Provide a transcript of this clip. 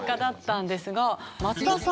松田さん。